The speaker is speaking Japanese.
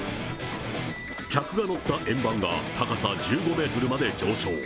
客が乗った円盤が、高さ１５メートルまで上昇。